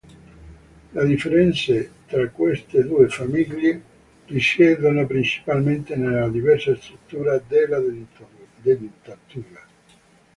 Le differenze tra queste due famiglie risiedono principalmente nella diversa struttura della dentatura.